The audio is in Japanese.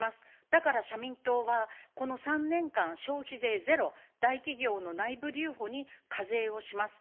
だから、社民党は、この３年間消費税ゼロ、大企業の内部留保に課税をします。